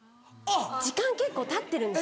時間結構たってるんです。